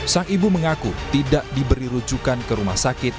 sang ibu mengaku tidak diberi rujukan ke rumah sakit